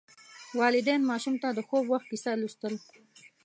والدین ماشوم ته د خوب وخت کیسه لوستل.